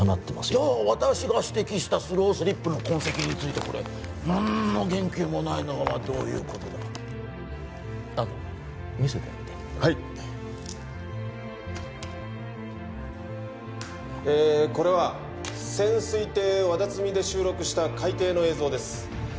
じゃあ私が指摘したスロースリップの痕跡についてこれ何の言及もないのはどういうことだ安藤君見せてあげてはいえこれは潜水艇わだつみで収録した海底の映像です